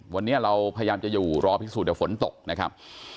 วันนี้เราพยายามจะอยู่รอพิสูจนแต่ฝนตกนะครับ